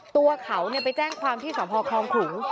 ตัวเขาไปแจ้งความที่สพคลองขลุง